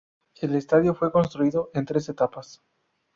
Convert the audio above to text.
El estadio fue construido en tres etapas.